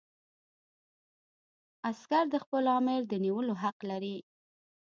عسکر د خپل آمر د نیولو حق لري.